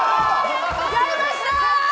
やりました！